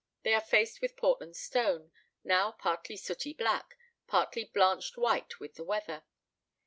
They are faced with Portland stone, now partly sooty black, partly blanched white with the weather.